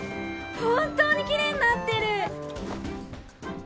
本当にきれいになってる！